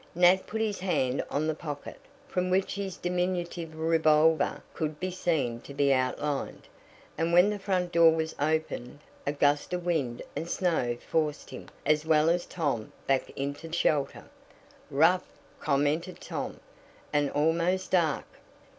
Nat put his hand on the pocket, from which his diminutive revolver could be seen to be outlined, and when the front door was opened a gust of wind and snow forced him, as well as Tom, back into shelter. "Rough," commented Tom, "and almost dark."